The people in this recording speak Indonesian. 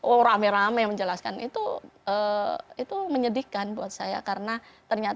oh rame rame menjelaskan itu itu menyedihkan buat saya karena ternyata